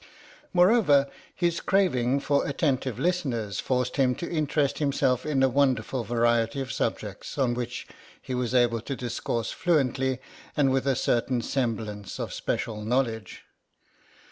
Moreover, his craving for attentive listeners forced him to interest himself in a wonderful variety of subjects on which he was able to discourse fluently and with a certain semblance of special knowledge.